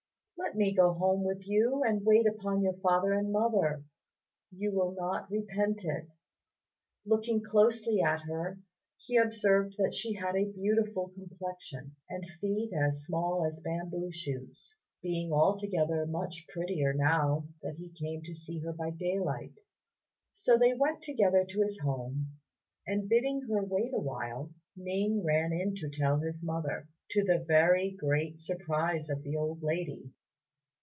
Let me go home with you and wait upon your father and mother; you will not repent it." Looking closely at her, he observed that she had a beautiful complexion, and feet as small as bamboo shoots, being altogether much prettier now that he came to see her by daylight. So they went together to his home, and bidding her wait awhile, Ning ran in to tell his mother, to the very great surprise of the old lady.